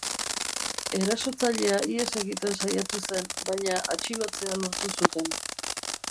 Erasotzailea ihes egiten saiatu zen, baina atxilotzea lortu zuten.